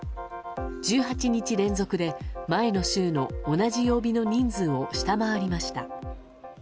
１８日連続で前の週の同じ曜日の人数を下回りました。